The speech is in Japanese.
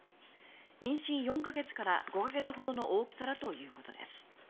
妊娠４か月から５か月ほどの大きさだということです。